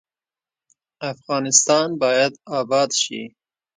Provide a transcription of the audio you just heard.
افغانستان باید اباد شي